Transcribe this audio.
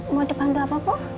mau dibantu apa bu